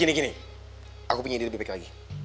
gini gini gini aku punya ide lebih baik lagi